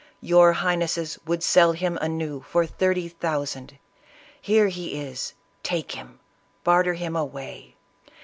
Your highnesses would sell him anew for thirty thousand : here he is: take him; barter him away!"